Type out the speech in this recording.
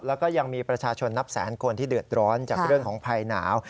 แล้วก็ยังมีประชาชนนับแสนคนที่เดือดร้อนจากเรื่องของภัยหนาว